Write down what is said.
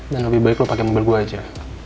dan lebih baik lo pakai mobil gue aja